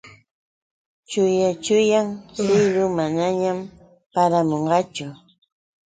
Chuya chuyam siylu. Manañam paramunqachu.